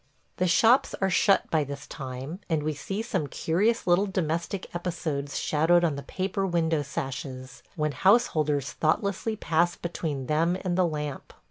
The shops are shut by this time, and we see some curious little domestic episodes shadowed on the paper window sashes, when householders thoughtlessly pass between them and the lamp.